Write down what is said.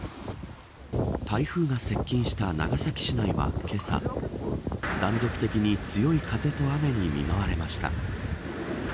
台風が接近した長崎市内はけさ断続的に強い風と雨に見舞われました。